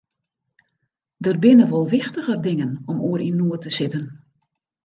Der binne wol wichtiger dingen om oer yn noed te sitten.